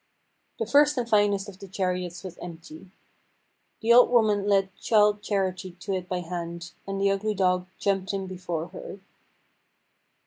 The first and finest of the chariots was empty. The old woman led Childe Charity to it by the hand, and the ugly dog jumped in before her.